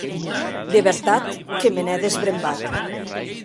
De vertat que me n’è desbrembat.